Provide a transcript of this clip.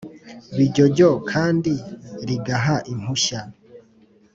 Bijyojyo kandi rigaha impushya